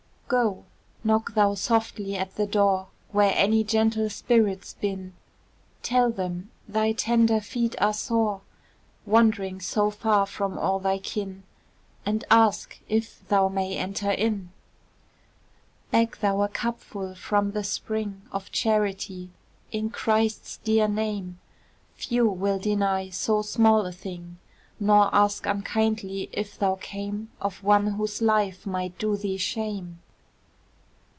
Go! knock thou softly at the door Where any gentle spirits bin, Tell them thy tender feet are sore, Wandering so far from all thy kin, And ask if thou may enter in. Beg thou a cup full from the spring Of Charity, in Christ's dear name; Few will deny so small a thing, Nor ask unkindly if thou came Of one whose life might do thee shame.